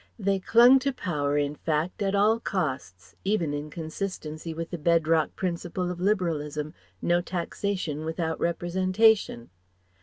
They clung to power, in fact, at all costs; even inconsistency with the bedrock principle of Liberalism: no Taxation without Representation.